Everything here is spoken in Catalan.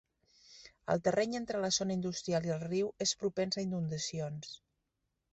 El terreny entre la zona industrial i el riu és propens a inundacions.